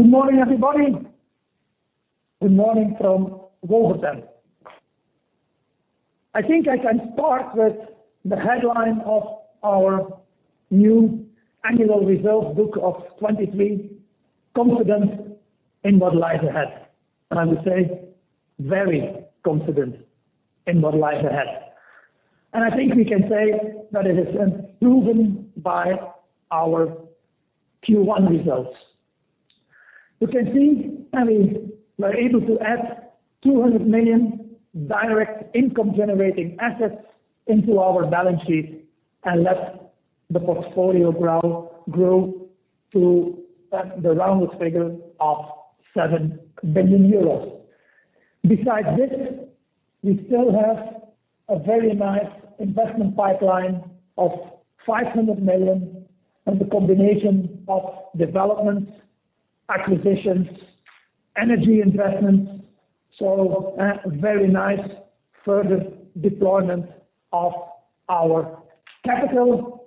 Good morning, everybody. Good morning from Wolvertem. I think I can start with the headline of our new annual results book of 2023, confident in what lies ahead. I would say very confident in what lies ahead. And I think we can say that it is proven by our Q1 results. You can see that we were able to add 200 million direct income-generating assets into our balance sheet and let the portfolio grow to the rounded figure of 7 billion euros. Besides this, we still have a very nice investment pipeline of 500 million and the combination of developments, acquisitions, energy investments. So a very nice further deployment of our capital.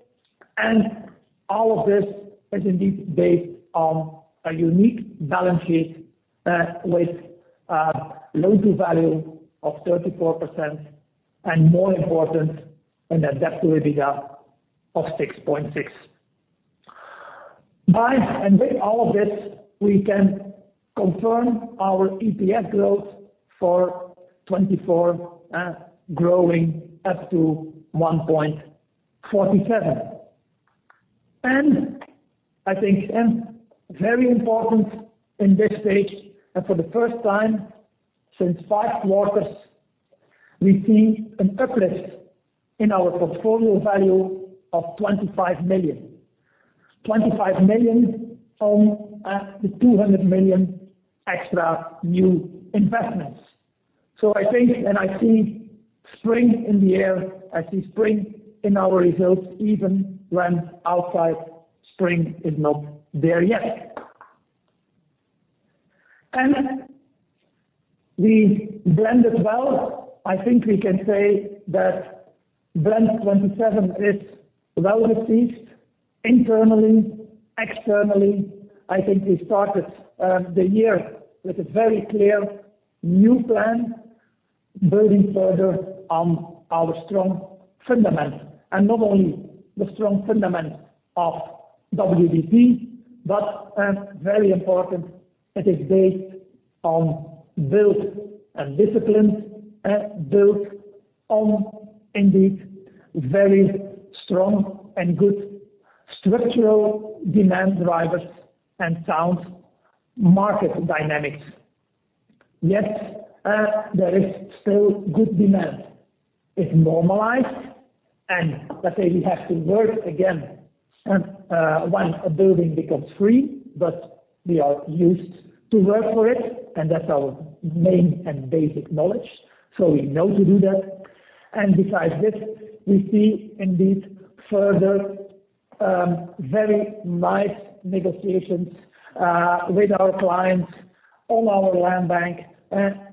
And all of this is indeed based on a unique balance sheet with loan-to-value of 34% and, more important, net debt to EBITDA of 6.6. With all of this, we can confirm our EPS growth for 2024 growing up to 1.47. And I think, and very important in this stage, for the first time since five quarters, we see an uplift in our portfolio value of 25 million. 25 million on the 200 million extra new investments. So I think and I see spring in the air. I see spring in our results even when outside spring is not there yet and we blended well. I think we can say that #BLEND2027 is well received internally, externally. I think we started the year with a very clear new plan building further on our strong fundamentals. And not only the strong fundamentals of WDP, but, very important, it is based on built and disciplined, built on indeed very strong and good structural demand drivers and sound market dynamics. Yet there is still good demand. It normalized. Let's say we have to work again when a building becomes free, but we are used to work for it. That's our main and basic knowledge. So we know to do that. Besides this, we see indeed further very nice negotiations with our clients on our land bank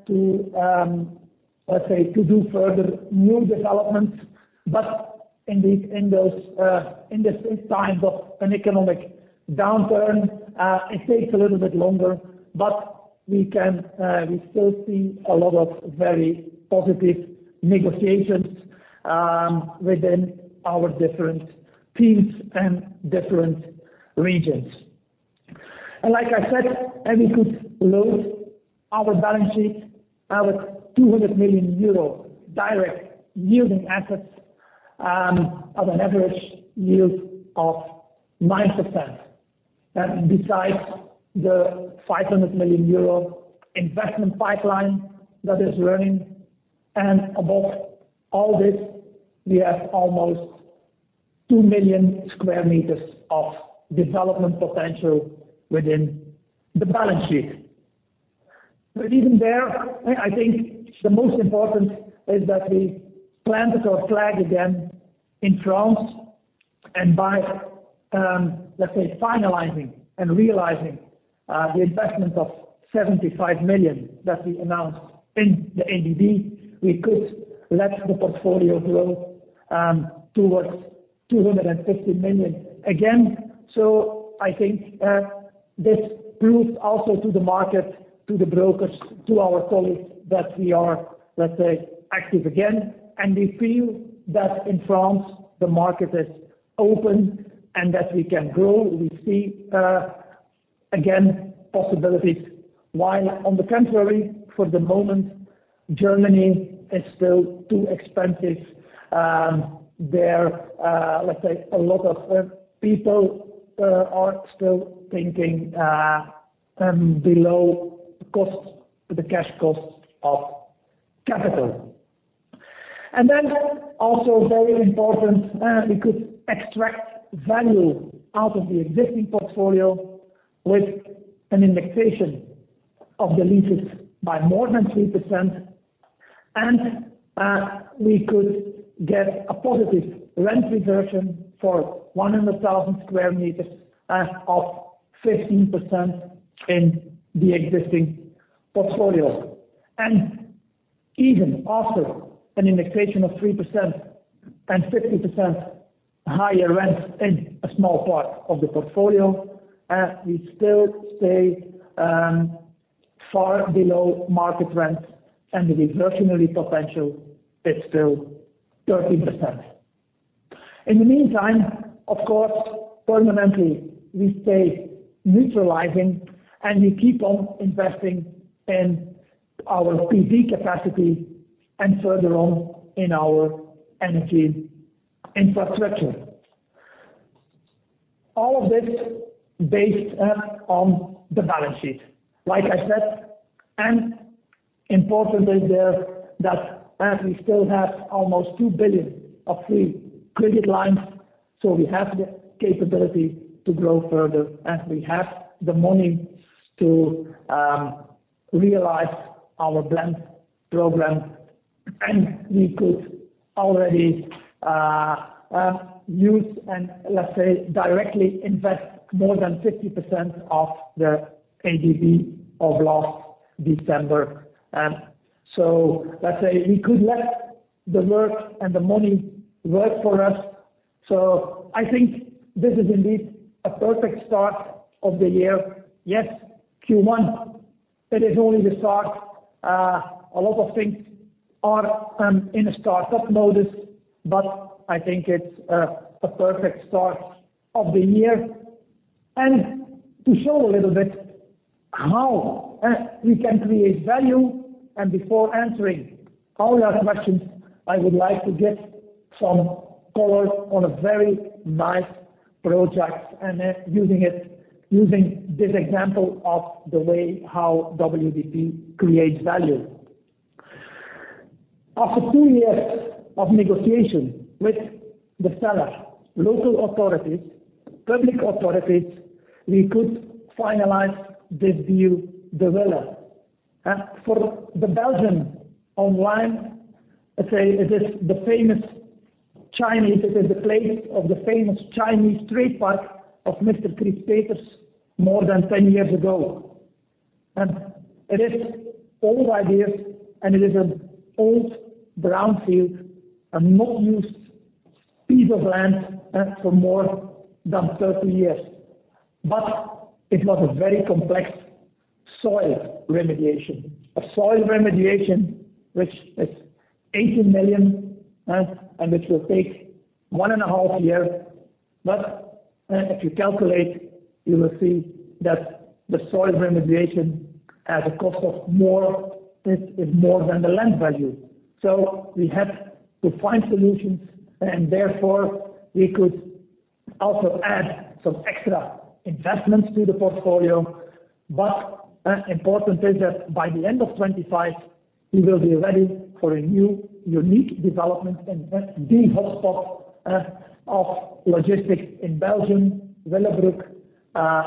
to, let's say, to do further new developments. Indeed, in this time of an economic downturn, it takes a little bit longer. We can still see a lot of very positive negotiations within our different teams and different regions. Like I said, we could load our balance sheet out of 200 million euro direct yielding assets at an average yield of 9%. Besides the 500 million euro investment pipeline that is running, and above all this, we have almost 2 million sq m of development potential within the balance sheet. But even there, I think the most important is that we planted our flag again in France. And by, let's say, finalizing and realizing the investment of 75 million that we announced in the ABB, we could let the portfolio grow towards 250 million again. So I think this proved also to the market, to the brokers, to our colleagues, that we are, let's say, active again. And we feel that in France, the market is open and that we can grow. We see, again, possibilities. While, on the contrary, for the moment, Germany is still too expensive. There, let's say, a lot of people are still thinking below cost, the cash costs of capital. And then also very important, we could extract value out of the existing portfolio with an indexation of the leases by more than 3%. And we could get a positive rent reversion for 100,000 sq m of 15% in the existing portfolio. And even after an indexation of 3% and 50% higher rents in a small part of the portfolio, we still stay far below market rents. And the reversionary potential, it's still 13%. In the meantime, of course, permanently, we stay neutralizing and we keep on investing in our PV capacity and further on in our energy infrastructure. All of this based on the balance sheet, like I said. And important is there that we still have almost 2 billion of free credit lines. So we have the capability to grow further. And we have the money to realize our BLEND program. And we could already use and, let's say, directly invest more than 50% of the ABB of last December. So let's say we could let the work and the money work for us. So I think this is indeed a perfect start of the year. Yes, Q1, it is only the start. A lot of things are in a start-up mode. But I think it's a perfect start of the year. And to show a little bit how we can create value. And before answering all your questions, I would like to give some color on a very nice project and using it, using this example of the way how WDP creates value. After two years of negotiation with the seller, local authorities, public authorities, we could finalize this deal developed. For the Belgian online, let's say, it is the famous Chinese. It is the place of the famous Chinese trade park of Mr. Kris Peeters more than 10 years ago. It is old ideas. It is an old brownfield, a not used piece of land for more than 30 years. But it was a very complex soil remediation, a soil remediation which is 18 million and which will take one and a half year. But if you calculate, you will see that the soil remediation has a cost of more, it is more than the land value. So we had to find solutions. Therefore, we could also add some extra investments to the portfolio. But important is that by the end of 2025, we will be ready for a new unique development and the hotspot of logistics in Belgium, Willebroek,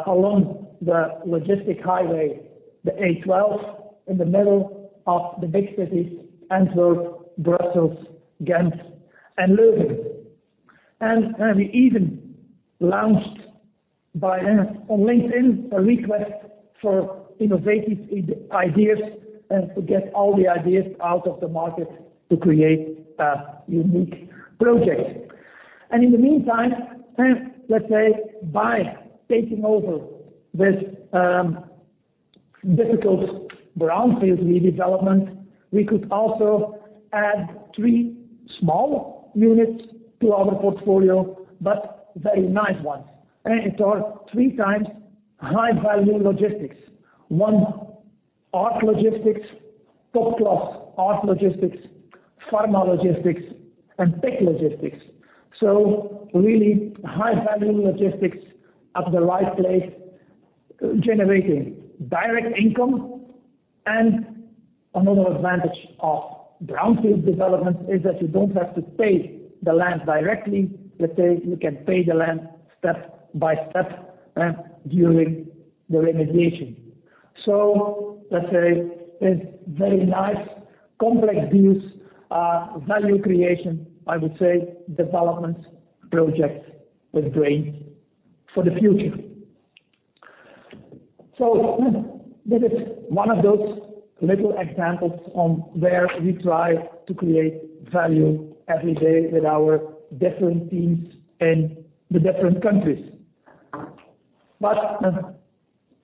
along the logistic highway, the A12, in the middle of the big cities Antwerp, Brussels, Ghent, and Leuven. And we even launched on LinkedIn a request for innovative ideas to get all the ideas out of the market to create a unique project. And in the meantime, let's say, by taking over this difficult brownfield redevelopment, we could also add three small units to our portfolio, but very nice ones. And it are three times high-value logistics: one art logistics, top-class art logistics, pharma logistics, and tech logistics. So really high-value logistics at the right place, generating direct income. And another advantage of brownfield developments is that you don't have to pay the land directly. Let's say you can pay the land step by step during the remediation. So let's say it's very nice, complex deals, value creation, I would say, development projects with brains for the future. This is one of those little examples on where we try to create value every day with our different teams in the different countries. But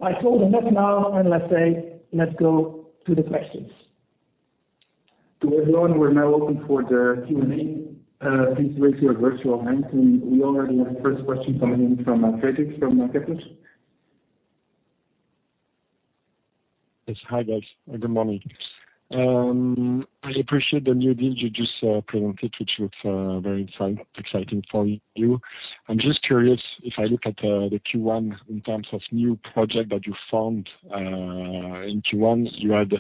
I told enough now. Let's say let's go to the questions. To everyone, we're now open for the Q&A. Please raise your virtual hand. We already have the first question coming in from Frédéric from Kepler. Yes. Hi, guys. Good morning. I appreciate the new deal you just presented, which looks very exciting for you. I'm just curious, if I look at the Q1 in terms of new project that you found in Q1, you had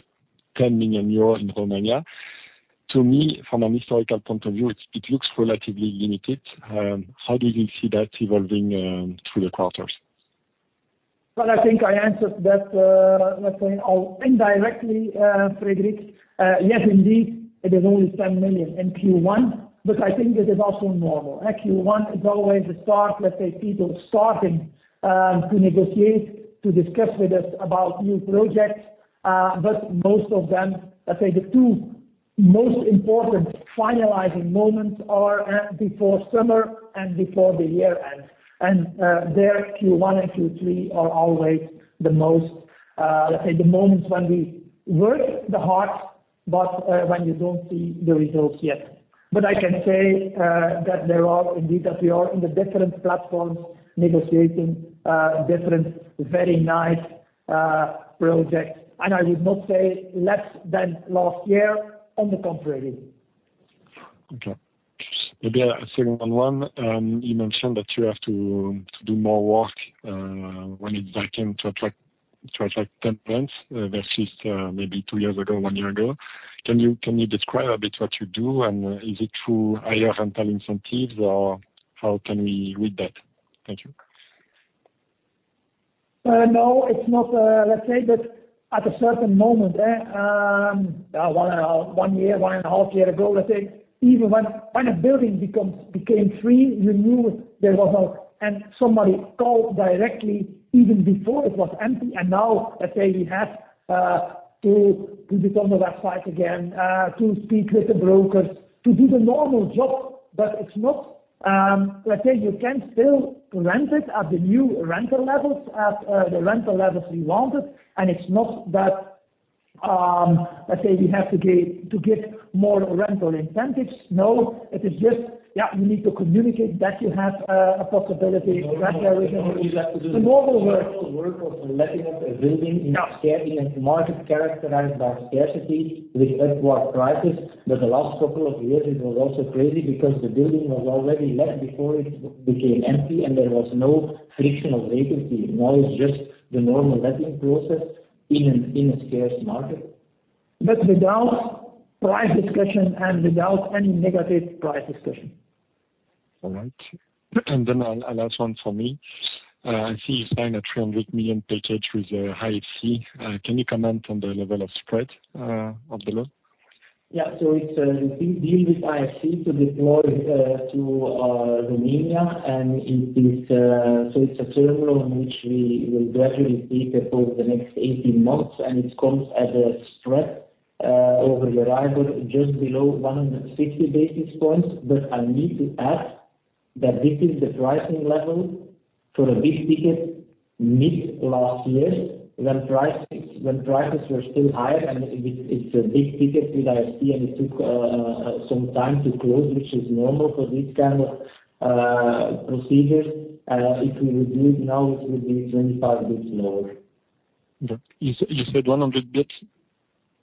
10 million euros in Romania. To me, from an historical point of view, it looks relatively limited. How do you see that evolving through the quarters? Well, I think I answered that, let's say, indirectly, Frédéric. Yes, indeed, it is only 10 million in Q1. But I think it is also normal. Q1 is always the start, let's say, people starting to negotiate, to discuss with us about new projects. But most of them, let's say, the two most important finalizing moments are before summer and before the year end. And there, Q1 and Q3 are always the most, let's say, the moments when we work the hardest but when you don't see the results yet. But I can say that there are indeed that we are in the different platforms negotiating different, very nice projects. And I would not say less than last year on the contrary. Okay. Maybe a second on one. You mentioned that you have to do more work when it's vacant to attract 10 rents versus maybe two years ago, one year ago. Can you describe a bit what you do? And is it through higher rental incentives, or how can we read that? Thank you. No, it's not, let's say, but at a certain moment, one year, one and a half years ago, let's say, even when a building became free, you knew there was no end and somebody called directly even before it was empty. And now, let's say, we have to put it on the website again, to speak with the brokers, to do the normal job. But it's not, let's say, you can still rent it at the new rental levels, at the rental levels we wanted. And it's not that, let's say, we have to give more rental incentives. No, it is just, yeah, you need to communicate that you have a possibility that there is normal work. All you have to do is the normal work of letting out a building in a market characterized by scarcity with upward prices. But the last couple of years, it was also crazy because the building was already left before it became empty. And there was no frictional vacancy. Now it's just the normal letting process in a scarce market. But without price discussion and without any negative price discussion. All right. And then a last one from me. I see you signed a 300 million package with IFC. Can you comment on the level of spread of the loan? Yeah. So it's a deal with IFC to deploy to Romania. It's a term loan which we will gradually take over the next 18 months. It comes at a spread over Euribor just below 150 basis points. But I need to add that this is the pricing level for a big ticket mid-last year when prices were still higher. It's a big ticket with IFC. It took some time to close, which is normal for this kind of procedures. If we would do it now, it would be 25 basis points lower. You said 100 bps, right? 100, it just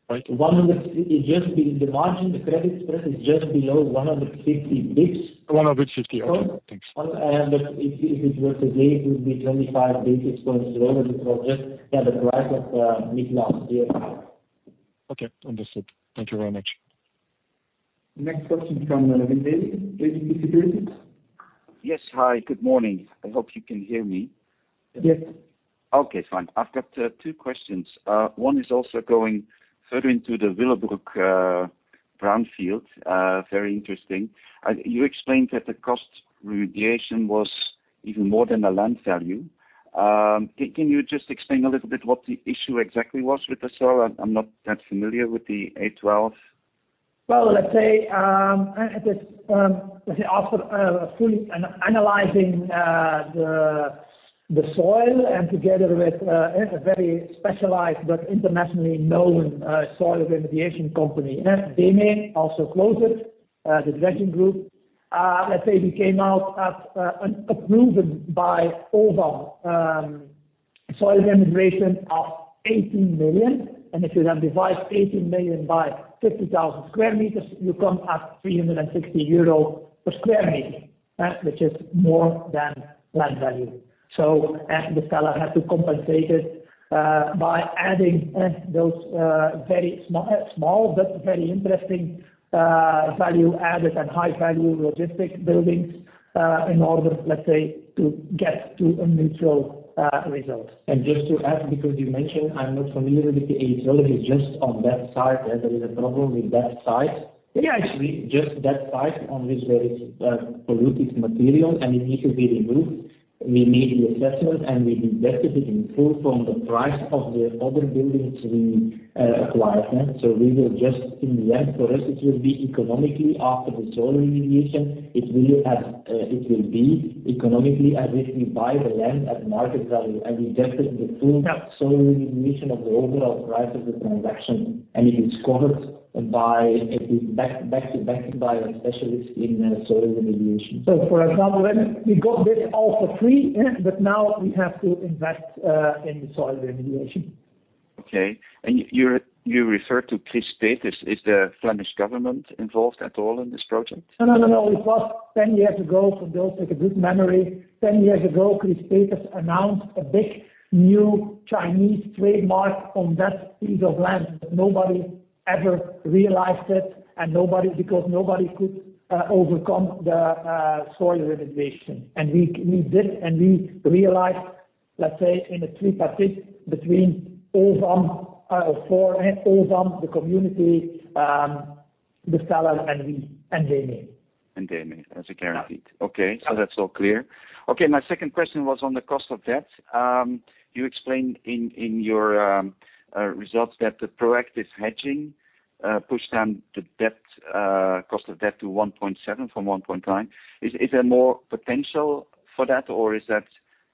the margin. The credit spread is just below 150 bps. Okay. Thanks. But if it were today, it would be 25 basis points lower. This was just, yeah, the price of mid-last year high. Okay. Understood. Thank you very much. Next question from Wim Lewi, KBC Securities. Yes. Hi. Good morning. I hope you can hear me. Yes. Okay. Fine. I've got two questions. One is also going further into the Willebroek brownfield, very interesting. You explained that the cost remediation was even more than the land value. Can you just explain a little bit what the issue exactly was with the seller? I'm not that familiar with the A12? Well, let's say it is, let's say, after fully analyzing the soil and together with a very specialized but internationally known soil remediation company, DEME, also known as the Dredging Group, let's say, we came out at an approved by OVAM soil remediation of 18 million. If you then divide 18 million by 50,000 sq m, you come at 360 euro per sq m, which is more than land value. The seller had to compensate it by adding those very small but very interesting value added and high-value logistic buildings in order, let's say, to get to a neutral result. And just to add, because you mentioned, I'm not familiar with the A12. It is just on that site. There is a problem with that site. Actually, just that site on which there is polluted material. And it needs to be removed. We made the assessment. And we deducted it in full from the price of the other buildings we acquired. So we will just in the end, for us, it will be economically after the soil remediation, it will be economically as if we buy the land at market value. And we deducted the full soil remediation of the overall price of the transaction. And it is covered by it is back to back. By a specialist in soil remediation. So, for example, then we got this all for free. But now we have to invest in the soil remediation. Okay. You refer to Kris Peeters. Is the Flemish government involved at all in this project? No, no, no, no. It was 10 years ago. For those with a good memory, 10 years ago, Kris Peeters announced a big new Chinese trade park on that piece of land. But nobody ever realized it because nobody could overcome the soil remediation. We did. We realized, let's say, in a tripartite between OVAM or for OVAM, the community, the seller, and we, and DEME. DEME as a guarantor. Okay. So that's all clear. Okay. My second question was on the cost of debt. You explained in your results that the proactive hedging pushed down the cost of debt to 1.7 from 1.9. Is there more potential for that, or is that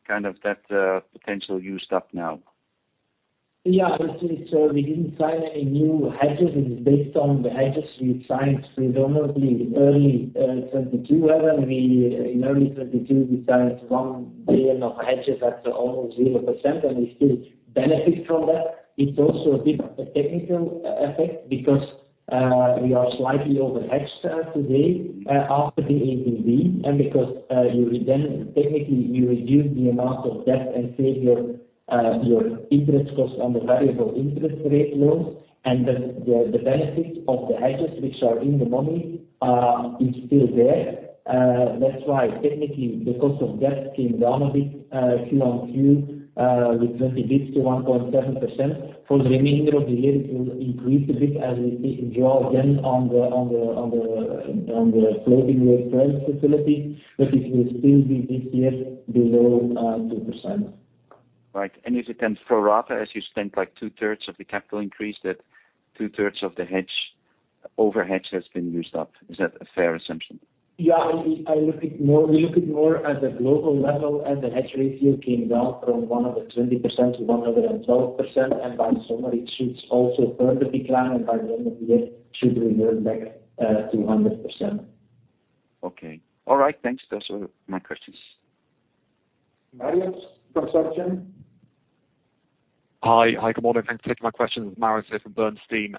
kind of that potential used up now? Yeah. We didn't sign any new hedges. It is based on the hedges we signed predominantly in early 2022. In early 2022, we signed 1 billion of hedges at almost 0%. We still benefit from that. It's also a bit of a technical effect because we are slightly overhedged today after the ABB. Because then technically, you reduce the amount of debt and save your interest cost on the variable interest rate loans. The benefits of the hedges, which are in the money, is still there. That's why technically, the cost of debt came down a bit quarter-on-quarter with 20 bps to 1.7%. For the remainder of the year, it will increase a bit as we draw again on the floating rate credit facilities. But it will still be this year below 2%. Right. If it ends pro rata, as you spent like two-thirds of the capital increase, that 2/3 of the overhedge has been used up. Is that a fair assumption? Yeah. We look at more at the global level. And the hedge ratio came down from 120% to 112%. And by summer, it should also further decline. And by the end of the year, it should return back to 100%. Okay. All right. Thanks. Those were my questions. Marios from Bernstein. Hi. Hi, good morning. Thanks for taking my questions. It's Marios here from Bernstein.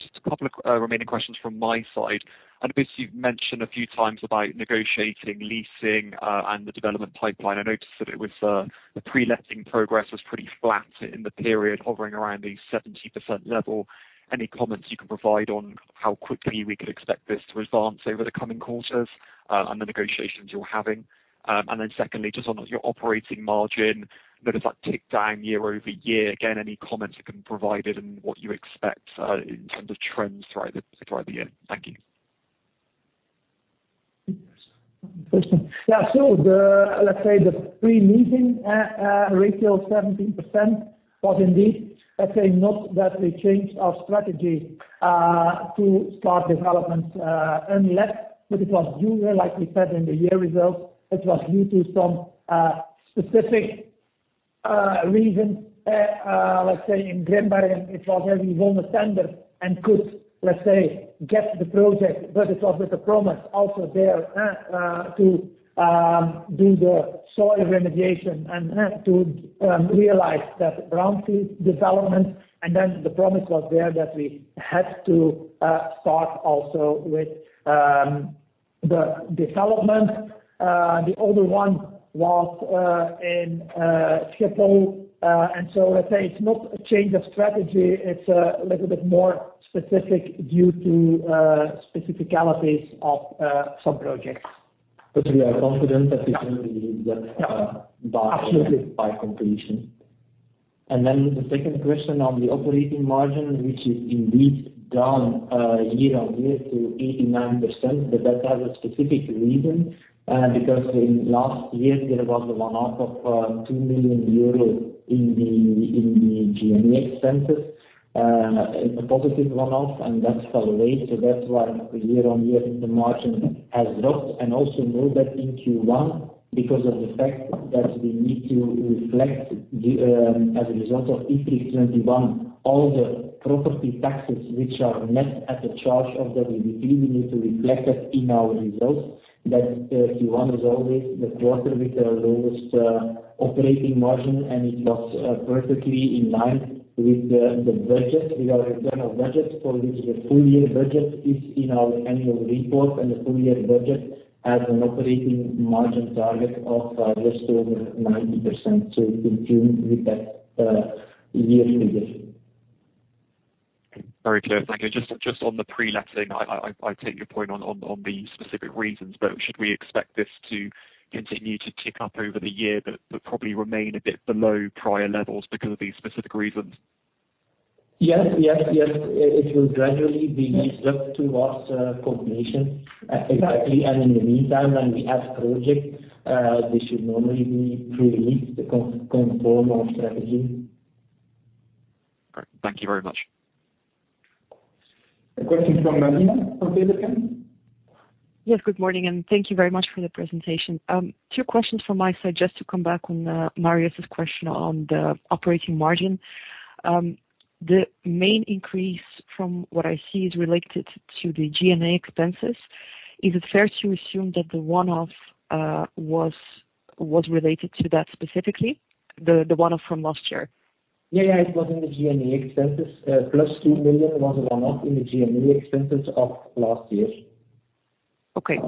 Just a couple of remaining questions from my side. I noticed you mentioned a few times about negotiating, leasing, and the development pipeline. I noticed that it was the pre-letting progress was pretty flat in the period hovering around the 70% level. Any comments you can provide on how quickly we could expect this to advance over the coming quarters and the negotiations you're having? And then secondly, just on your operating margin, noticed that ticked down year-over-year. Again, any comments you can provide and what you expect in terms of trends throughout the year? Thank you. First one. Yeah. So let's say the pre-leasing ratio of 17% was indeed, let's say, not that we changed our strategy to start developments unless but it was due, like we said in the year results. It was due to some specific reasons. Let's say in Grimbergen, it was that we won a tender and could, let's say, get the project. But it was with a promise also there to do the soil remediation and to realize that brownfield development. And then the promise was there that we had to start also with the development. The other one was in Schiphol. And so let's say it's not a change of strategy. It's a little bit more specific due to specificities of some projects. But we are confident that it will be used up by completion. Absolutely. And then the second question on the operating margin, which is indeed down year-on-year to 89%, but that has a specific reason because in last year, there was a one-off of 2 million euros in the G&A expenses, a positive one-off. And that fell away. So that's why year-on-year, the margin has dropped. And also know that in Q1, because of the fact that we need to reflect as a result of IFRIC 21, all the property taxes which are net at the charge of the WDP, we need to reflect that in our results. That Q1 is always the quarter with the lowest operating margin. And it was perfectly in line with the budget, with our internal budget for which the full-year budget is in our annual report. The full-year budget has an operating margin target of just over 90% consistent with that year figure. Very clear. Thank you. Just on the pre-letting, I take your point on the specific reasons. But should we expect this to continue to tick up over the year but probably remain a bit below prior levels because of these specific reasons? Yes, yes, yes. It will gradually be used up towards completion. Exactly. And in the meantime, when we add projects, they should normally be pre-leased conform our strategy. Great. Thank you very much. A question from Inna from Petercam. Yes. Good morning. Thank you very much for the presentation. Two questions from my side just to come back on Marios's question on the operating margin. The main increase from what I see is related to the G&A expenses. Is it fair to assume that the one-off was related to that specifically, the one-off from last year? Yeah, yeah. It was in the G&A expenses. Plus 2 million was a one-off in the G&A expenses of last year. Okay.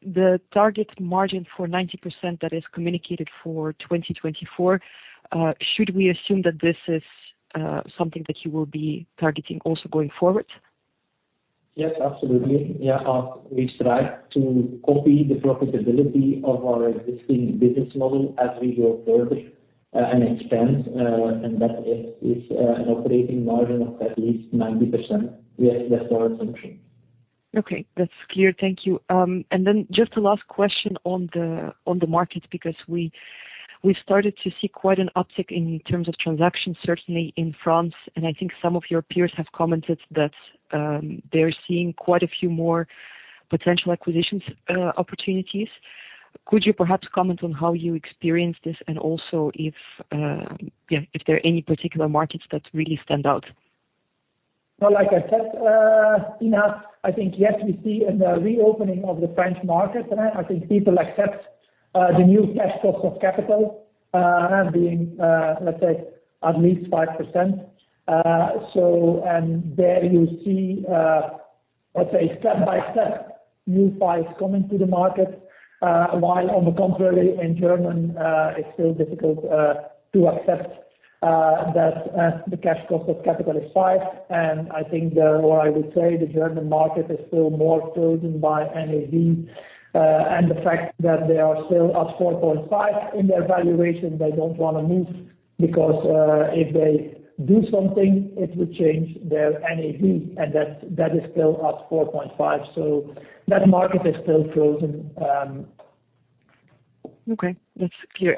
The target margin for 90% that is communicated for 2024, should we assume that this is something that you will be targeting also going forward? Yes, absolutely. Yeah. We try to copy the profitability of our existing business model as we go further and expand. And that is an operating margin of at least 90%. Yes, that's our assumption. Okay. That's clear. Thank you. And then just a last question on the markets because we've started to see quite an uptick in terms of transactions, certainly in France. And I think some of your peers have commented that they're seeing quite a few more potential acquisitions opportunities. Could you perhaps comment on how you experienced this and also, yeah, if there are any particular markets that really stand out? Well, like I said, Inna, I think, yes, we see a reopening of the French market. I think people accept the new cost of capital being, let's say, at least 5%. And there you see, let's say, step by step, new files coming to the markets. While on the contrary, in Germany, it's still difficult to accept that the cost of capital is 5%. I think or I would say the German market is still more frozen by NAV and the fact that they are still at 4.5%. In their valuation, they don't want to move because if they do something, it will change their NAV. And that is still at 4.5%. So that market is still frozen. Okay. That's clear.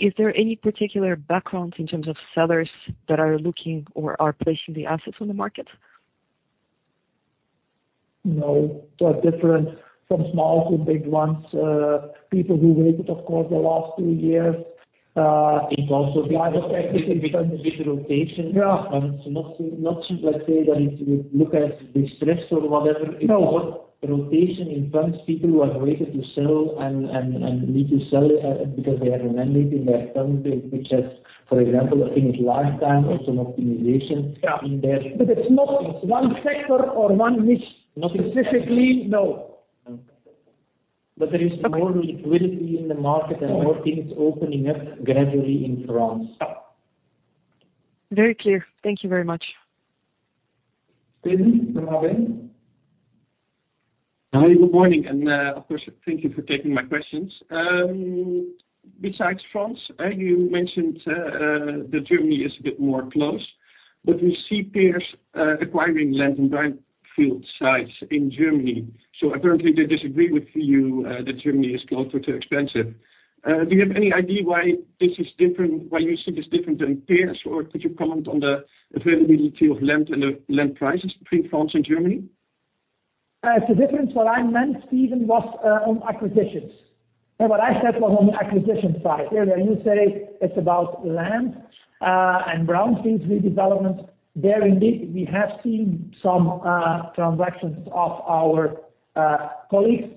Is there any particular background in terms of sellers that are looking or are placing the assets on the market? No. But different from small to big ones, people who waited, of course, the last two years. It also depends on the rotation. Yeah. But it's not, let's say, that it would look as distressed or whatever. It's more rotation in funds, people who have waited to sell and need to sell because they have a mandate in their funds, which has, for example, I think it's lifetime or some optimization in their. But it's not one sector or one niche specifically. No. There is more liquidity in the market and more things opening up gradually in France. Very clear. Thank you very much. Steven from ABN. Hi. Good morning. Of course, thank you for taking my questions. Besides France, you mentioned that Germany is a bit more close. But we see peers acquiring land and brownfield sites in Germany. So apparently, they disagree with you that Germany is closer to expensive. Do you have any idea why this is different, why you see this different than peers? Or could you comment on the availability of land and the land prices between France and Germany? It's different. What I meant, Steven, was on acquisitions. What I said was on the acquisition side. Earlier, you say it's about land and brownfield redevelopment. There, indeed, we have seen some transactions of our colleagues,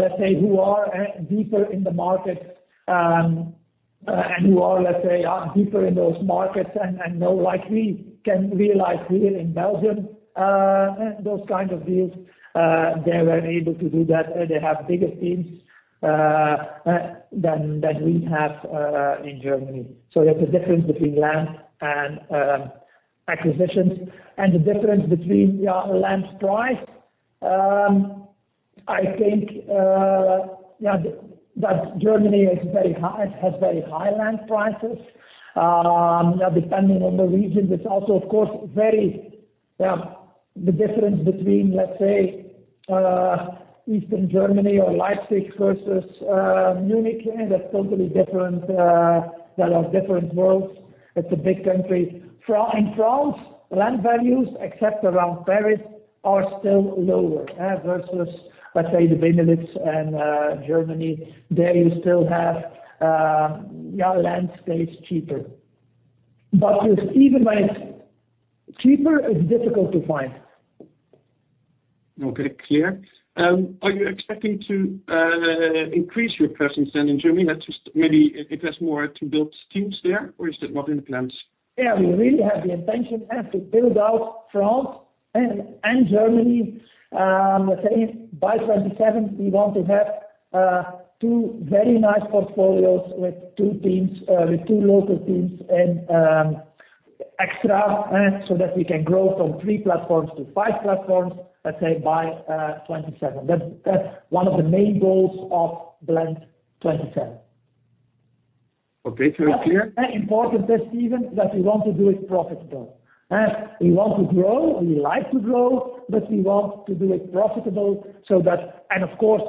let's say, who are deeper in the markets and who are, let's say, deeper in those markets and know, like we can realize here in Belgium, those kinds of deals, they were able to do that. They have bigger teams than we have in Germany. So there's a difference between land and acquisitions. And the difference between, yeah, land price, I think, yeah, that Germany has very high land prices. Now, depending on the region, it's also, of course, very yeah, the difference between, let's say, Eastern Germany or Leipzig versus Munich, that's totally different. That's different worlds. It's a big country. In France, land values, except around Paris, are still lower versus, let's say, the Benelux and Germany. There you still have, yeah, land stays cheaper. But even when it's cheaper, it's difficult to find. Okay. Clear. Are you expecting to increase your presence then in Germany? Maybe it has more to build teams there, or is that not in the plans? Yeah. We really have the intention to build out France and Germany. Let's say by 2027, we want to have two very nice portfolios with two teams, with two local teams and extra so that we can grow from three platforms to five platforms, let's say, by 2027. That's one of the main goals of #BLEND2027. Okay. Very clear. Important this, Steven, that we want to do it profitable. We want to grow. We like to grow. But we want to do it profitable so that and of course,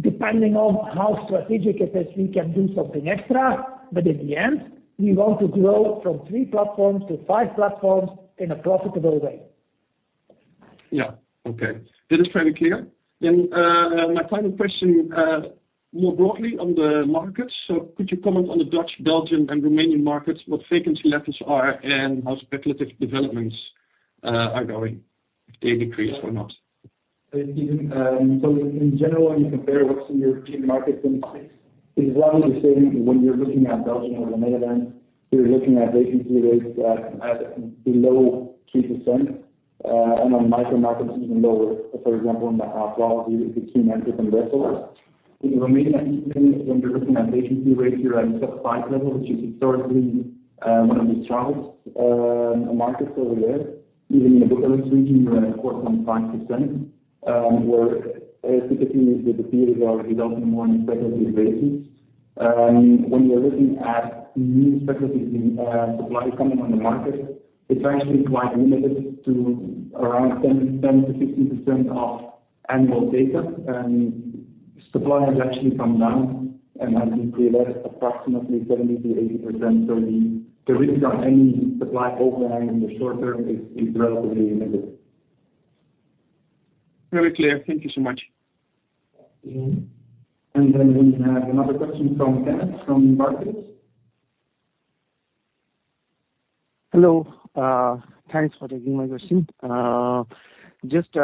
depending on how strategic it is, we can do something extra. But in the end, we want to grow from three platforms to five platforms in a profitable way. Yeah. Okay. That is very clear. Then my final question more broadly on the markets. So could you comment on the Dutch, Belgian, and Romanian markets, what vacancy levels are and how speculative developments are going, if they decrease or not? Steven, so in general, when you compare what's in European markets in the States, it is largely the same. When you're looking at Belgium or the Netherlands, you're looking at vacancy rates below 3%. And on micro markets, even lower. For example, in the Asse, it's 1 km from Brussels. In Romania, even when you're looking at vacancy rates, you're at a sub-5 level, which is historically one of the strongest markets over there. Even in the Bucharest region, you're at 4.5% where typically, the peers are developing more on a speculative basis. When you're looking at new speculative supply coming on the market, it's actually quite limited to around 10%-15% of annual data. Supply has actually come down and has been pre-letted approximately 70%-80%. So the risk on any supply overhang in the short term is relatively limited. Very clear. Thank you so much. And then we have another question from Kenneth from Barclays. Hello. Thanks for taking my question. Just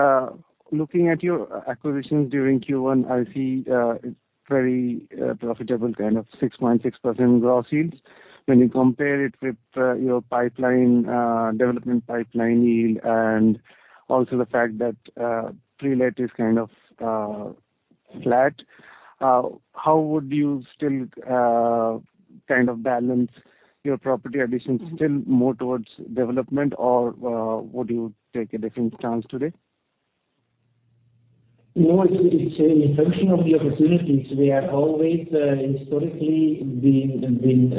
looking at your acquisitions during Q1, I see it's very profitable, kind of 6.6% gross yields. When you compare it with your development pipeline yield and also the fact that pre-letted is kind of flat, how would you still kind of balance your property additions still more towards development, or would you take a different stance today? No, it's in function of the opportunities. We have always historically been,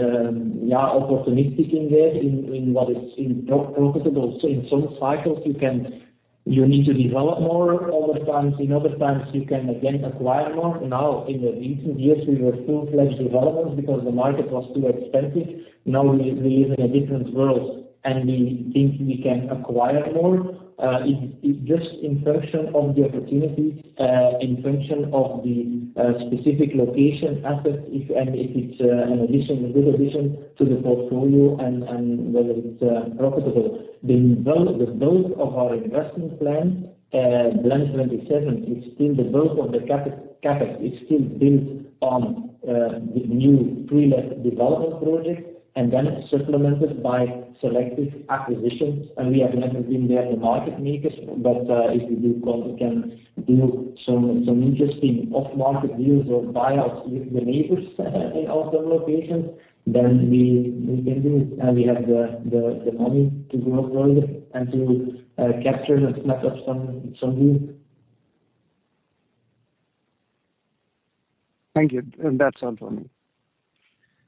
yeah, opportunistic in there in what is profitable. So in some cycles, you need to develop more. In other times, you can, again, acquire more. Now, in the recent years, we were full-fledged developments because the market was too expensive. Now, we live in a different world. And we think we can acquire more. It's just in function of the opportunities, in function of the specific location assets, and if it's a good addition to the portfolio and whether it's profitable. The bulk of our investment plans, #BLEND2027, is still the bulk of the CapEx. It's still built on the new pre-letted development projects and then supplemented by selective acquisitions. And we have never been there to market makers. If we can do some interesting off-market deals or buyouts with the neighbors in some of our locations, then we can do it. We have the money to grow further and to capture and snap up some deals. Thank you. And that's all from me.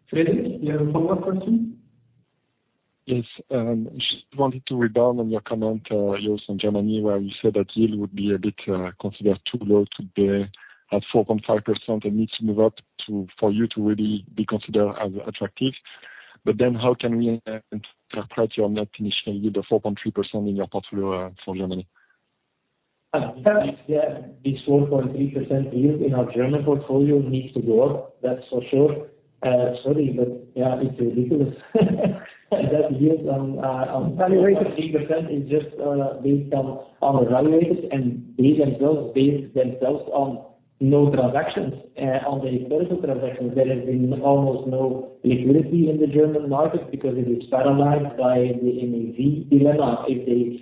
Frédéric, do you have a follow-up question? Yes. I just wanted to rebound on your comment, Joost, on Germany where you said that yield would be a bit considered too low today at 4.5% and needs to move up for you to really be considered as attractive. But then how can we interpret your net initial yield of 4.3% in your portfolio for Germany? Yeah. This 4.3% yield in our German portfolio needs to go up. That's for sure. Sorry, but yeah, it's ridiculous. That yield on 4.3% is just based on undervalued and based themselves on no transactions, on the historical transactions. There has been almost no liquidity in the German market because it is paralyzed by the NAV dilemma. If they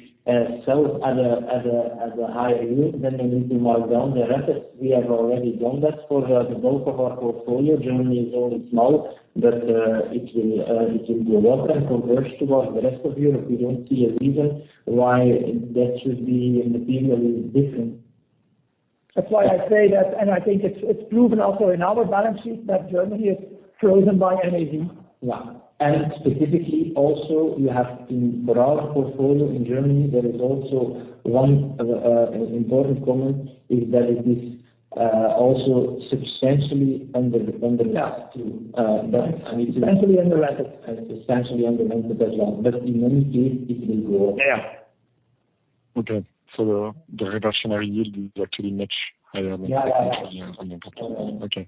sell at a higher yield, then they need to mark down their assets. We have already done that for the bulk of our portfolio. Germany is only small, but it will go up and converge towards the rest of Europe. We don't see a reason why that should be materially different. That's why I say that. I think it's proven also in our balance sheet that Germany is frozen by NAV. Yeah. And specifically, also, you have in our portfolio in Germany. There is also one important comment: it is also substantially under-rented. Yes. Substantially under-rented. Substantially under rented as well. But in any case, it will go up. Yeah. Okay. The relationship yield is actually much higher than the portfolio. Yeah. Okay.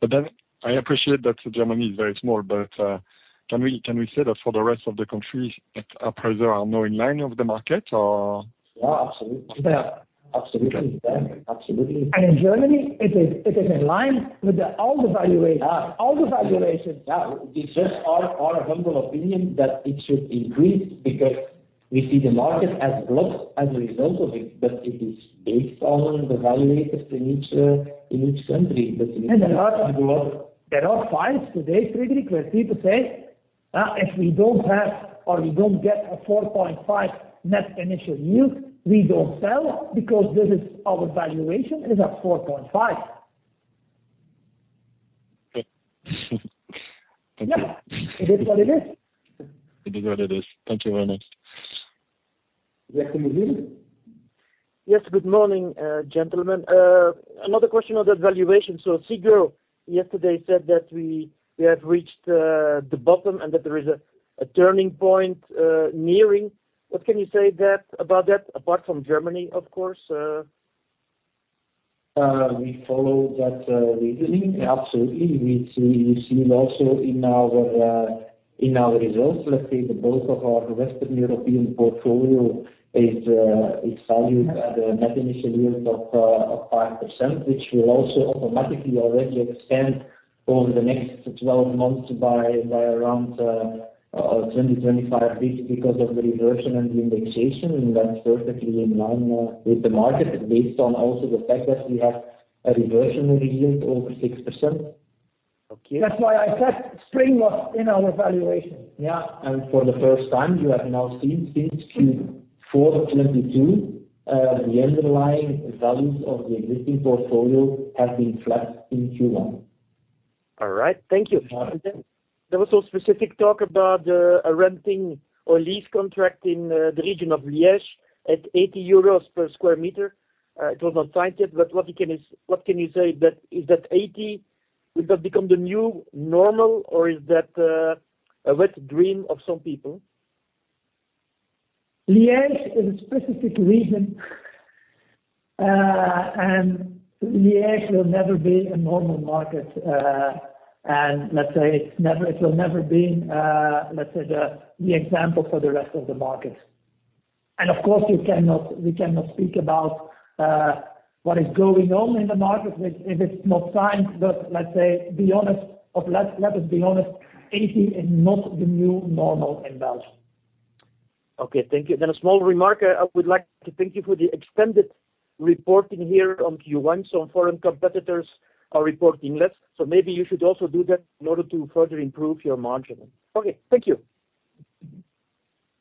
But then I appreciate that Germany is very small. But can we say that for the rest of the countries, at our prices, are now in line with the market, or? Yeah. Absolutely. Yeah. Absolutely. Yeah. Absolutely. In Germany, it is in line with all the valuations. Yeah. It's just our humble opinion that it should increase because we see the market as blocked as a result of it. But it is based on the valuations in each country. But in each country, it will go up. There are files today, Frederic, where people say, "If we don't have or we don't get a 4.5% net initial yield, we don't sell because our valuation is at 4.5%." Okay. Thank you. Yeah. It is what it is. It is what it is. Thank you very much. Yes, Monsieur? Yes. Good morning, gentlemen. Another question on that valuation. So Segro yesterday said that we have reached the bottom and that there is a turning point nearing. What can you say about that apart from Germany, of course? We follow that reasoning. Absolutely. You see it also in our results. Let's say the bulk of our Western European portfolio is valued at a net initial yield of 5%, which will also automatically already expand over the next 12 months by around 20 bps-25 bps because of the reversion and the indexation. And that's perfectly in line with the market based on also the fact that we have a reversion yield over 6%. That's why I said spring was in our valuation. Yeah. And for the first time, you have now seen since Q4 of 2022, the underlying values of the existing portfolio have been flat in Q1. All right. Thank you. There was some specific talk about a renting or lease contract in the region of Liège at 80 euros per sq m. It was not signed yet. But what can you say? Is that 80 will not become the new normal, or is that a wet dream of some people? Liège is a specific region. Liège will never be a normal market. Let's say it will never be, let's say, the example for the rest of the market. Of course, we cannot speak about what is going on in the market if it's not signed. But let's say, let us be honest, EUR 80 is not the new normal in Belgium. Okay. Thank you. Then a small remark. I would like to thank you for the extended reporting here on Q1. So foreign competitors are reporting less. So maybe you should also do that in order to further improve your margin. Okay. Thank you.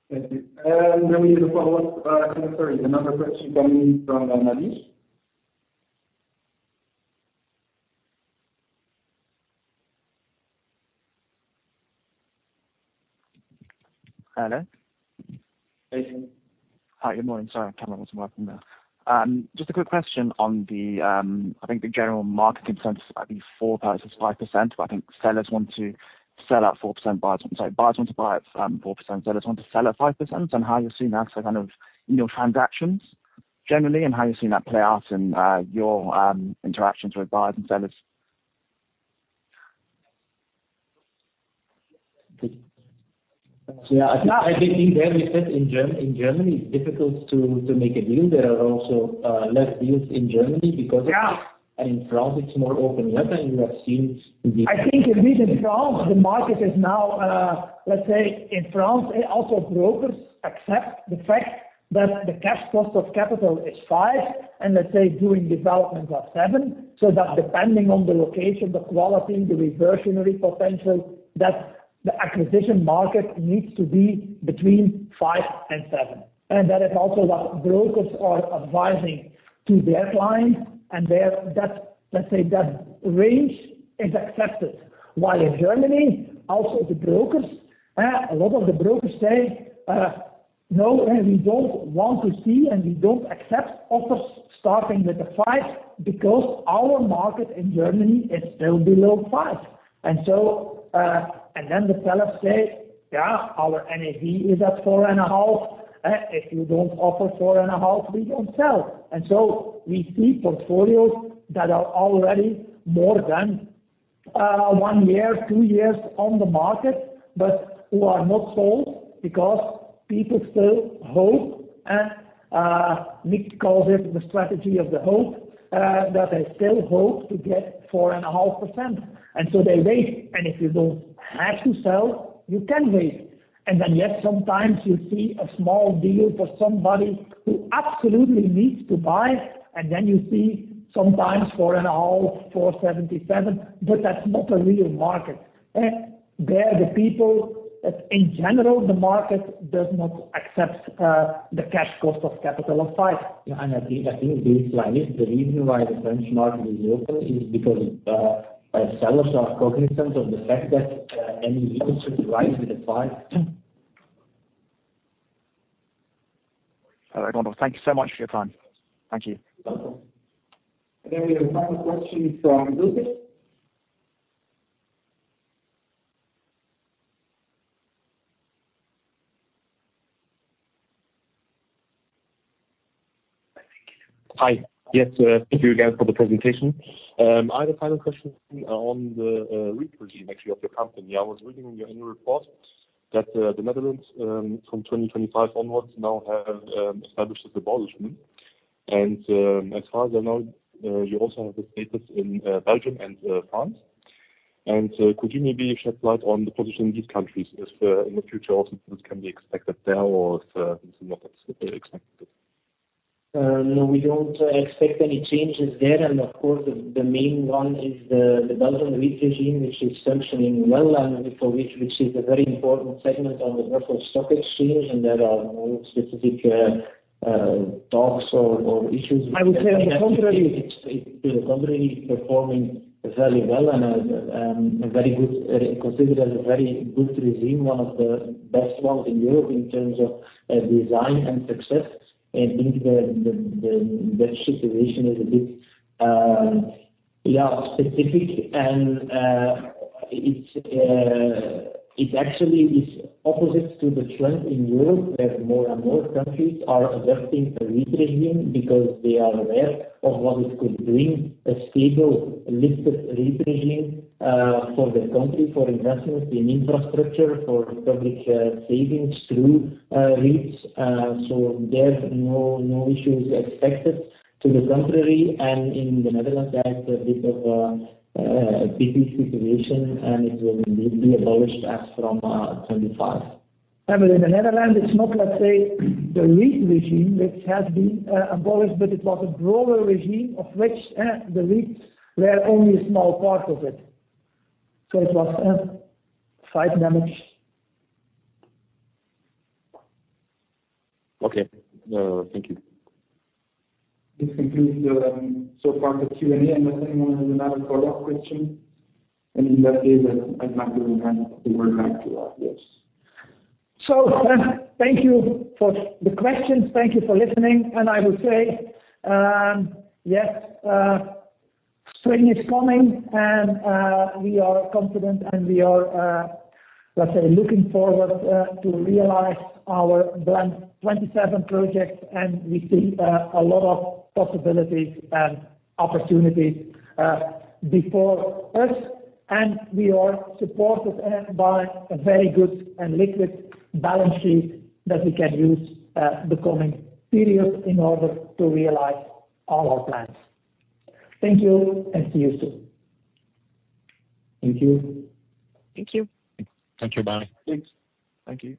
Thank you. And then we have a follow-up commentary, another question coming from Marios. Hello. Hey. Hi. Good morning. Sorry, camera wasn't working there. Just a quick question on the, I think, the general market consensus at the 4% versus 5%. But I think sellers want to sell at 4%. Sorry, buyers want to buy at 4%. Sellers want to sell at 5%. And how you're seeing that, so kind of in your transactions generally and how you're seeing that play out in your interactions with buyers and sellers. Yeah. I think things are reset. In Germany, it's difficult to make a deal. There are also less deals in Germany because of that. In France, it's more open yet. You have seen the. I think indeed, in France, the market is now, let's say, in France, also brokers accept the fact that the cash cost of capital is 5% and, let's say, doing developments are 7%. So that, depending on the location, the quality, the reversionary potential, that the acquisition market needs to be between 5%-7%. And that is also what brokers are advising to their clients. And, let's say, that range is accepted. While in Germany, also the brokers, a lot of the brokers say, "No, we don't want to see and we don't accept offers starting with a 5 because our market in Germany is still below 5%." And then the sellers say, "Yeah, our NAV is at 4.5%. If you don't offer 4.5%, we don't sell." And so we see portfolios that are already more than one year, two years on the market but who are not sold because people still hope. Mick calls it the strategy of the hope that they still hope to get 4.5%. And so they wait. And if you don't have to sell, you can wait. And then yes, sometimes you see a small deal for somebody who absolutely needs to buy. And then you see sometimes 4.5%, 4.77%. But that's not a real market. They're the people that, in general, the market does not accept the cash cost of capital of 5%. Yeah. I think the baseline is the reason why the French market is open, because sellers are cognizant of the fact that the NAV opportunity rises with 5%. All righ. Thank you so much for your time. Thank you. No problem. Then we have a final question from Lucas. Hi. Yes. Thank you again for the presentation. I have a final question on the reposition, actually, of your company. I was reading in your annual report that the Netherlands from 2025 onwards now establishes abolishment. And as far as I know, you also have the status in Belgium and France. And could you maybe shed light on the position in these countries if in the future also this can be expected there or if this is not expected? No, we don't expect any changes there. Of course, the main one is the Belgian REIT regime, which is functioning well and which is a very important segment on the Brussels Stock Exchange. There are no specific talks or issues. I would say, on the contrary. It's still currently performing very well and considered as a very good regime, one of the best ones in Europe in terms of design and success. And I think that situation is a bit, yeah, specific. And it actually is opposite to the trend in Europe where more and more countries are adopting a REIT regime because they are aware of what it could bring, a stable, listed REIT regime for their country, for investments in infrastructure, for public savings through REITs. So there are no issues expected. To the contrary, and in the Netherlands, there is a bit of a pity situation. And it will be abolished as from 2025. Yeah. But in the Netherlands, it's not, let's say, the REIT regime which has been abolished, but it was a broader regime of which the REITs were only a small part of it. So it was site damage. Okay. Thank you. This concludes so far the Q&A. Unless anyone has another follow-up question. And in that case, I'd like to hand the word back to Joost. Thank you for the questions. Thank you for listening. I will say, yes, spring is coming. We are confident. We are, let's say, looking forward to realize our#BLEND2027 project. We see a lot of possibilities and opportunities before us. We are supported by a very good and liquid balance sheet that we can use the coming period in order to realize all our plans. Thank you. See you soon. Thank you. Thank you. Thank you. Bye.